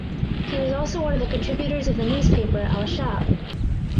He was also one of the contributors of the newspaper "Al Shaab".